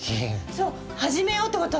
そうはじめようってこと。